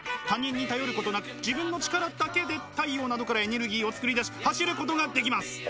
他人に頼ることなく自分の力だけで太陽などからエネルギーを作り出し走ることができます。